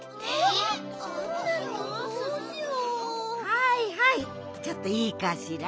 はいはいちょっといいかしら。